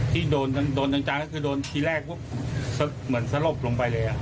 ที่โดนจังจังคือที่แรกก็เหมือนสะลบลงไปเลย